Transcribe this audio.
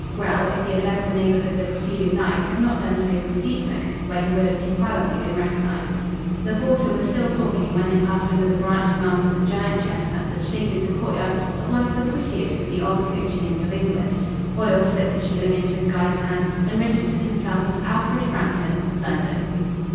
Grell, if he had left the neighbourhood the preceding night, had not done so from Deepnook, where he would have infallibly been recognised. The porter was still talking when they passed under the branching arms of the giant chestnut that shaded the courtyard of one of the prettiest of the old coaching inns of England. Foyle slipped a shilling into his guide's hand, and registered himself as "Alfred Frampton London."